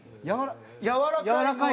やわらかいのを？